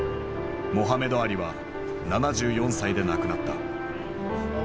モハメド・アリは７４歳で亡くなった。